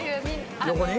横に？